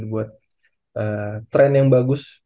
buat ee trend yang bagus